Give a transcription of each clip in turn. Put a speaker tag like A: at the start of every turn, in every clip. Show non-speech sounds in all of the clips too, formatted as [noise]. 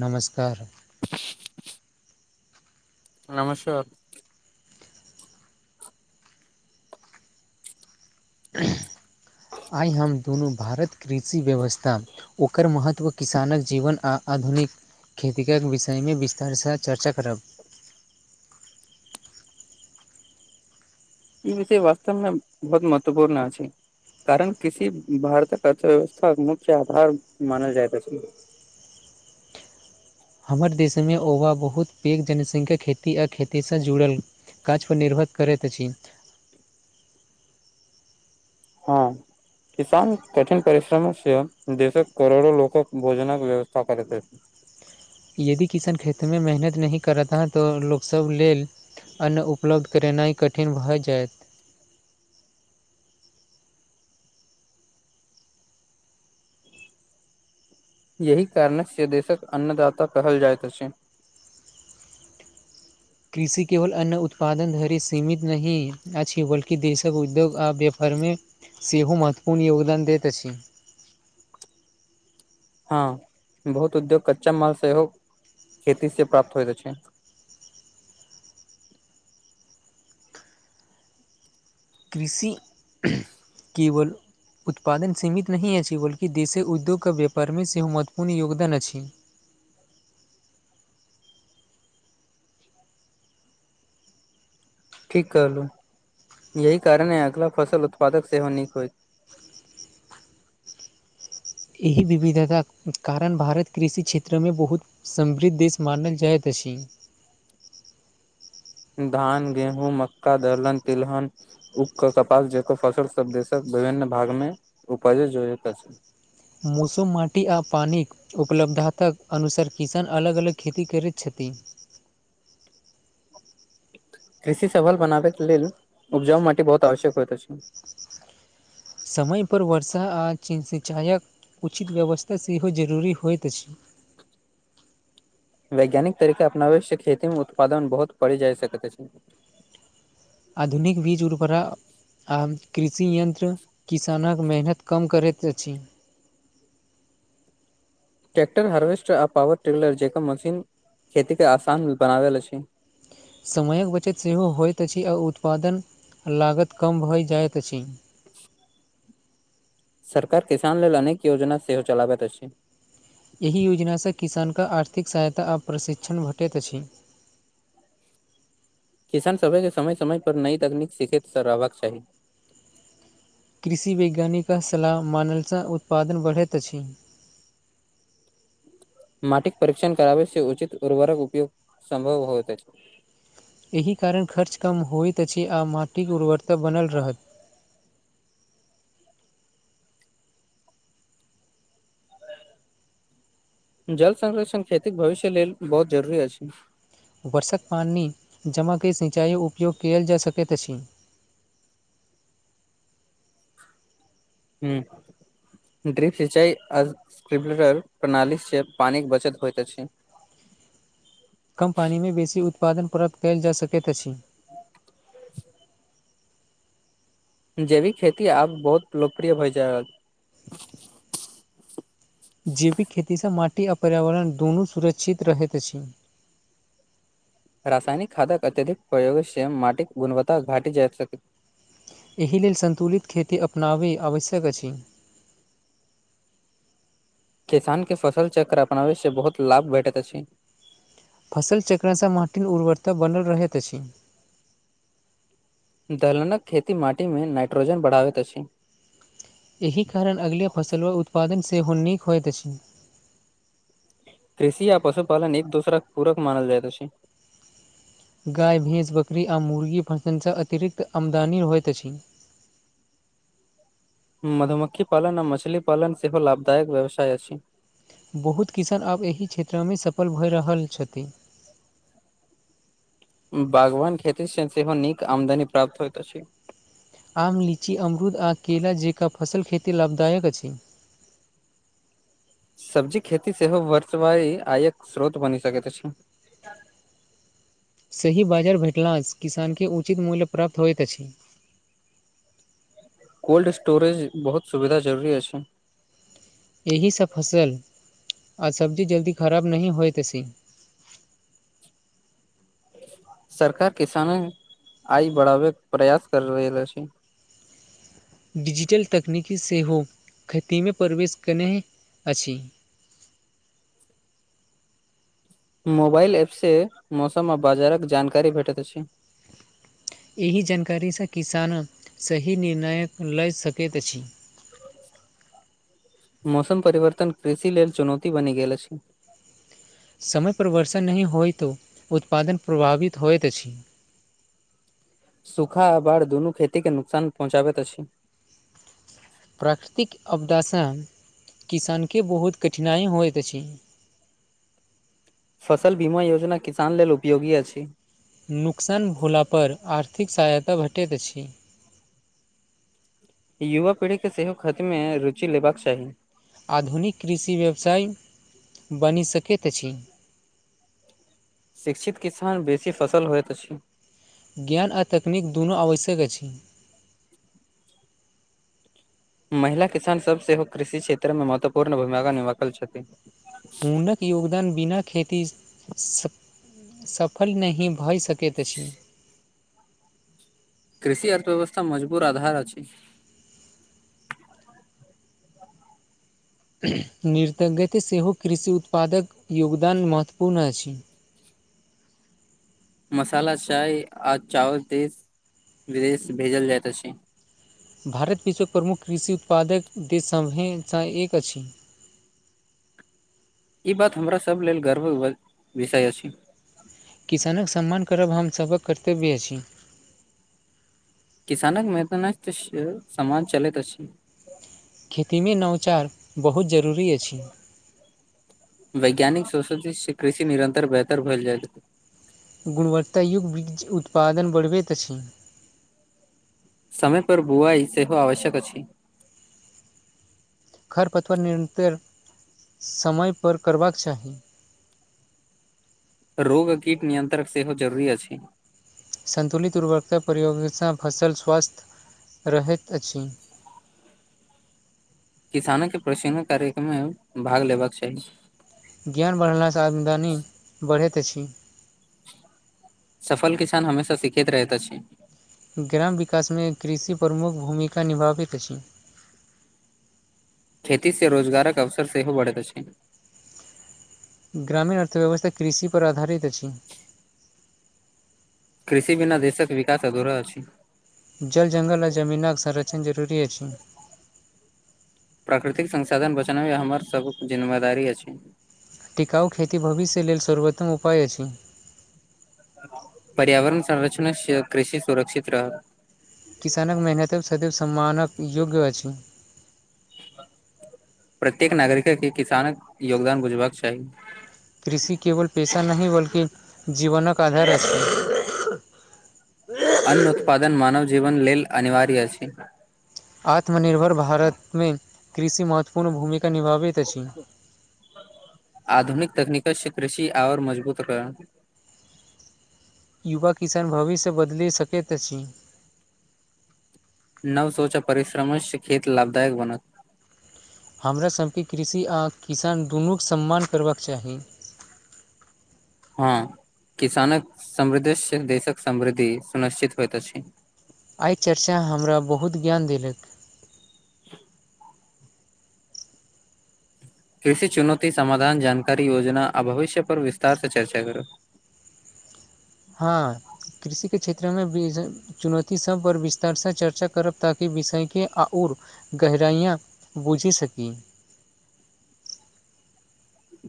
A: नमस्कार
B: नमस्कार
A: आय हम दुनू भारत कृषि व्यवस्था ओकर महत्व किसानक जीवन आ आधुनिक खेतीक विषयमे विस्तारसँ चर्चा करब
B: ई विषय वास्तवमे बहुत महत्वपूर्ण अछि कारण किसी भारतक अर्थव्यवस्था मुख्य आधार मानल जाय त अछि
A: हमर देशमे ओवा बहुत पैघ जनसंख्या खेती आ खेतीसँ जुड़ल काज पर निर्भर करैत अछि
B: हँ किसान कठिन परिश्रमसँ देशक करोड़ो लोकक भोजनक व्यवस्था करैत अछि
A: यदि किसान खेतमे मेहनत नहि करता ह तऽ लोक सब लेल अन्न उपलब्ध करेनाइ कठिन भऽ जायैत।
B: यही कारणस्य से देशक अन्नदाता कहल जाइत अछि
A: कृषि केवल अन्न उत्पादन धरि सीमित नहि अछि बलकी देशक उद्योग आव्य घरमे सेहो महत्वपूर्ण योगदान दैत अछि
B: ह बहुत उद्योग कच्चा माल सेहो खेती से प्राप्त होइत अछी
A: कृषि केवल [unintelligible] उत्पादन सीमित नहि अछि बल्कि देशी उद्योगके व्यापारमे सेहो महत्वपूर्ण योगदान अछि।
B: ठीक कहलु यही कारण हइ अगिला फसल उत्पादक सेहो नीक होय
A: एहि विविधताक कारण भारत कृषि क्षेत्रमे बहुत समृद्ध देश मानल जाइत अछि।
B: धान गेहूँ मक्का दलहन तिलहन उपकर कपास जेकर फसल सभदेशक विभिन्न भागमे उपज जोड़ैत अछि
A: मौसुमाटी आ पानि उपलब्धातक अनुसर किसन अलग अलग खेती करैत छथि
B: कृषि सफल बनाबैके लेल उपजा माटीबहुत आवश्यक होय त अछी
A: समय पर वर्षा आ सिचाइक उचित व्यवस्था सेहो जरूरी होइत अछि
B: वैज्ञानिक तरीका अपनावै छै खेतीमे उत्पादन बहुत पडय जाय सकैत अछी
A: आधुनिक बीज उर्वरा आम कृषि यन्त्र किसानक मेहनत कम करैत अछि
B: ट्रैक्टर हार्वेस्टर आ पॉवर ट्रिलर जेकर मशीन खेती के आसान मे बनावेल अछि।
A: समयक बचत सेहो होइत अछि आ उत्पादन लागत कम भइ जाइत अछि।
B: [inaudible] सरकार किसान लेल अनेक योजना सेहो चलाबैत अछि।
A: एहि योजनासँ किसानके आर्थिक सहायता आ प्रशिक्षण भेटैत अछि।
B: किसान सभके समय समय पर नई तकनीक सिखैत स रहबाक चाही।
A: कृषि वैज्ञानिक सलाह मानलसँ उत्पादन बढ़ैत अछि।
B: मटिक परीक्षण करावे से उचित उर्वरक उपयोग संभव होइत अछि।
A: एहि कारण खर्च कम होइत अछि आ माटिक उर्वरता बनल रहत
B: जल संरक्षण खेतीक भविष्य लेल बहुत जरूरी अछि।
A: वर्षक पानि जमा कै सिंचाइ उपयोग केयल जा सकैत अछि।
B: हूंम्म ड्रिप सिंचाइ स्क्रिबलर प्रणालीसँ पानिक बचत होइत अछि
A: कम्पनिमे बेसी उत्पादन प्राप्त कैयल जायैत सकैत अछि
B: जैविक खेती आब बहुत लोकप्रिय भए जाय रहल
A: जैविक खेतीसँ माटि आ पर्यावरण दुनू सुरक्षित रहैत अछि।
B: रसायनिक खादक अत्यधिक प्रयोग श्रम माटिक गुणवत्ता घाटि जाइत सकै
A: एहि लेल सन्तुलित खेती अपनाबि आवश्यक अछि
B: किसान के फसल चक्र अपनाबे से बहुत लाभ भेटैत अछि।
A: फसल चक्रसँ माटि उर्वरता बनल रहैत अछि
B: दलहनक खेती माटीमे नाइट्रोजन बढ़ाबैत अछि।
A: एहि कारण अगिले फसलो वो उत्पादन सेहो नीक होइत अछि।
B: कृषि आ पशुपालन एक दुसराक पूरक मानल जाइत अछि।
A: गाय भैंस बकरी आ मुर्गी फंक्शनसँ अतिरिक्त आमदनी होइत अछि।
B: मधुमक्खी पालन आ मछली पालन सेहो लाभदायक व्यवसाय अछि।
A: बहुत किसान आब एहि क्षेत्रमे सफल भय रहल छथि।
B: बागवान खेती से सेहो नीक आमदनी प्राप्त होइत अछि।
A: आम लीची अमरूद आ केेला जेकर फसल खेती लाभदायक अछि।
B: सब्जी खेती सेहो वर्षवाय आयक स्रोत बनि सकैत अछि
A: सही बाजार भेटलास किसान के उचित मूल्य प्राप्त होइत अछि
B: कोल्ड स्टोरेज बहुत सुविधा जरूरी अछि
A: एही सब फसल आ सब्जी जल्दी खराब नहि होइत अछि
B: सरकार किसानक आय बढ़ावेक प्रयास कर रहल अछि
A: डिजिटल तकनीकी सेहो खेतीमे प्रवेश कयने अछि
B: मोबाइल ऐपसँ मौसम आ बाजारक जानकारी भेटैत अछि
A: एहि जानकारीसँ किसान सही निर्णय ल सकैत अछि
B: मौसम परिवर्तन कृषि लेल चुनौती बनि गेल अछि
A: समय पर वर्षा नहि होय तो उत्पादन प्रभावित होइत अछि
B: सूखा आ बाढ़ दुनू खेती के नुकसान पहुँचाबैत अछि
A: प्राकृतिक आपदासँ किसानके बहुत कठिनाइ होइत अछि
B: फसल बीमा योजना किसान लेल उपयोगी अछि
A: नुकसान भोला पर आर्थिक सहायता भेटैत अछि।
B: युवा पीढ़ीके सेहो खेतमे रुचि लेबाक चाही।
A: आधुनिक कृषि व्यवसाय बनि सकैत अछि
B: शिक्षित किसान बेसी फसल होइत अछि
A: ज्ञान आ तकनीक दुनू आवश्यक अछि
B: महिला किसानसभ सेहो कृषि क्षेत्रमे महत्वपूर्ण भूमिका निभाखल छथि
A: हुनक योगदान बिना खेती सँ सफल नहि भए सकैत अछि
B: कृषि अर्थ व्यवस्था मजबूर आधार अछि ह [inaudible]
A: नृतज्ञत सेहो कृषि उत्पादक योगदान महत्वपूर्ण अछि
B: मसाला चाय आज चावल देश विदेश भेजल जायत अछि
A: भारत विश्वक प्रमुख कृषि उत्पादक देश सभसँ [unintelligible] एक अछि
B: ई बात हमरा सब लेल गर्व विषय अछि
A: किसानक सम्मान करब हमसभक कर्तव्य अछि
B: किसानक मेदने समाज चलैत अछि
A: खेतीमे नवचार बहुत जरूरी अछि
B: वैज्ञानिक सोषो से कृषि निरन्तर बेहतर भेल जाए
A: गुणवत्तायुग बीज उत्पादन बढ़बैत अछि
B: समय पर बुआई सेहो आवश्यक अछि
A: खर पतवर निरन्तर समय पर करबाक चाही
B: रोग कीट नियंत्रक सेहो जरुरी अछि
A: सन्तुलित उर्वरकता प्रयोगसँ फसल स्वस्थ रहैत अछि
B: किसानो के प्रशिकण [unintelligible] कार्यक्रम मे भाग लेबाक चाही
A: ज्ञान बढ़लासँ आमदनी बढ़ैत अछि
B: सफल किसान हमेशा सीखैत रहैत अछि
A: ग्राम विकास मे कृषि प्रमुख्य भूमिका निभाबैत अछि
B: खेती से रोजगारक अवसर सेहो बढ़ैत अछि
A: ग्रामीण अर्थव्यवस्था कृषि पर आधारित अछि
B: कृषि बिना देशक विकास अधुरा अछि
A: जल जंगल आ जमीनाक संरक्षण जरूरी अछि
B: प्राकृतिक संसाधन बचनामे हमर सब जिम्मेदारी अछि
A: टिकाउ खेती भविष्य लेल सर्वोत्तम उपाय अछि
B: पर्यावरण संर्षण [unintelligible] कृषि सुरक्षित रह
A: किसानक मेहनत सदैव सम्मानक योग्य अछि
B: प्रत्येक नागरिक के किसान योगदान बुझबाक चाही
A: कृषि केवल पेशा नहि बल्कि जीवनक आधार अछि
B: अन्न उत्पादन मानव जीवन लेल अनिवार्य अछि
A: आत्मनिर्भर भारतमे कृषि महत्वपूर्ण भूमिका निभाबैत अछि
B: आधुनिक तकनीको से कृषि आओर मजबूत र
A: युवा किसान भविष्य बदलि सकैत अछि
B: नव सोच परिश्रम खेत लाभदायक बनत
A: हमराासके कृषि आ किसान दुनूके सम्मान करबाक चाही
B: हँ किसानक समृद्ध देशक समृद्धि सुनिश्चित होइत अछि
A: एहि चर्चा हमरा बहुत ज्ञान देलक
B: [inaudible] कृषि चुनौती समाधान जानकारी योजना आ भविष्य पर विस्तार से चर्चा करू
A: हँ कृषिे क्षेत्रमे चुनौती सभ पर विस्तारसँ चर्चा करब ताकि विषयके आओर गहराइय बूझि सकी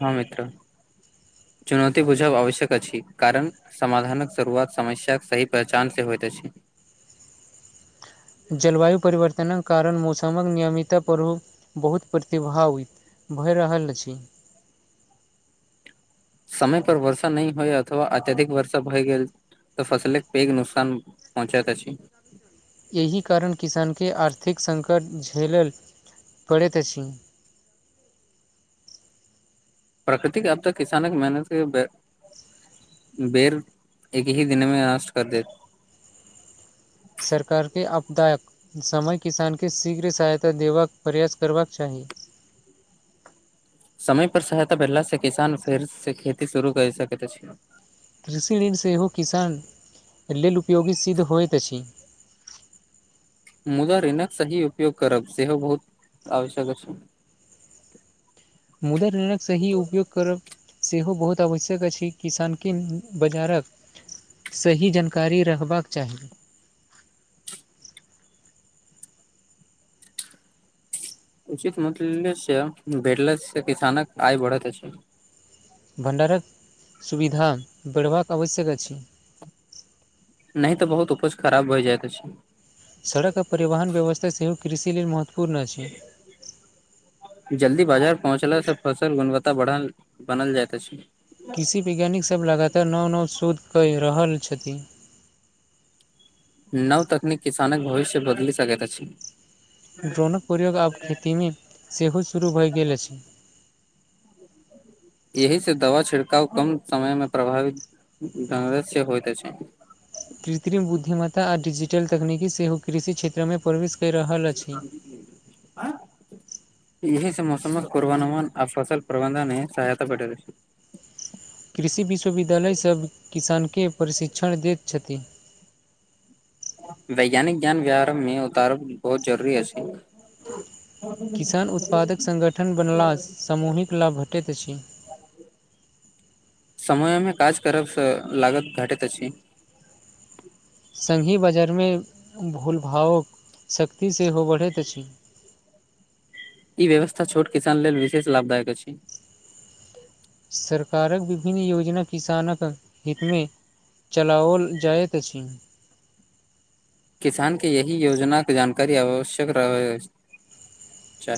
B: हँ मित्र चुनौती बुझ आवश्यक अ छी कारण समाधानक शुरुआत समस्याक सही पहचान से होयइत अछि
A: जलवायु परिवर्तनक कारण मौसमक नियमित प्रभ बहुत प्रतिभाव होइ भए रहल अछि
B: समय पर वर्षा नहि होइ अथवा अत्यधिक वर्षा भए गेल तऽ फसल एक पैघ नुकसान पहुँचइत अछि
A: एहि कारण किसानके आर्थिक सङ्कट झेलल पड़ैत अछि
B: प्रकृतिक आब तऽ किसान के मेहनत के बेर एक ही दिन मे नष्ट कर देत
A: सरकारके आपदायक समय किसानकेँ शीघ्र सहायता देबाक प्रयास करबाक चाही
B: समय पर सहायता भेटला स किसान फेर से खेती शुरू कर सकैत छै
A: कृषि ऋण सेहो किसान लेल उपयोगी सिद्ध होइत अछि
B: मुदा रऋनक स ही उपयोग करब सेहोहो बहुत आवश्यक छै
A: मुद्र ऋणक सही उपयोग करब सेहो बहुत आवश्यक अछि किसानके बाजारक सही जानकारी रहबाक चाही
B: उचित मूते से भेटले से किसानक आय बढ़त छै
A: भण्डारक सुविधा बढ़बाक आवश्यक अछि
B: नहि तऽ बहुत उपज खराब हो जाइत छै
A: सड़क आ परिवहन व्यवस्था सेहो कृषि लेल महत्वपूर्ण अछि
B: जल्दी बाजार पहुँचलास से फसल गुणवत्ता बढ़ल बनल जाइत छै
A: कृषि वैज्ञानिकसभ लगातार नव नव शोध कऽ रहल छथिन
B: नव तकनीक किसानक भविष्य बदलि सकैत अछि
A: ड्रोनक प्रयोग आब खेतीमे सेहो शुरू भऽ गेल अछि
B: [inaudible] एहि से दवा छिड़काव कम समय में प्रभावित्य होइत छै
A: कृत्रिम बुद्धिमता आ डिजिटल तकनीकी सेहो कृषि क्षेत्रमे प्रवेश कऽ रहल अछि
B: आँ यह से मौसमक पूर्वानुमान आ फसल प्रबंधन मे सहायता भेट रहल छै
A: कृषि विश्वविद्यालयसभ किसानके प्रशिक्षण दैत छथि
B: वैज्ञानिक ज्ञान व्यहार में उतार बहुत जरूरी अछि
A: किसान उत्पादक सङ्गठन बनलास सामूहिक लाभ भेटैत अछि
B: समयमे काज करब लागत घाटैत छी
A: सङ्गी बाजारमे भूलभावक सक्तिसँ बढ़ैत अछि
B: ई व्यवस्था छोट किसान लेल विशेष लाभदायक अछि
A: सरकारक विभिन्न योजना किसानक हितमे चलाओल जायत अछि
B: किसान के यहि योजना के जानकारी आवश्यक रह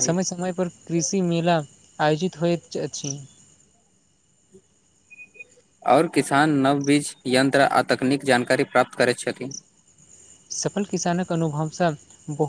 A: समय समय पर कृषि मेला आयोजित होइत अछि
B: आओर किसान नव बीज यन्त्र आ तकनीक जानकारी प्राप्त करैत छथि
A: सफल किसानक अनुभवसँ बहुत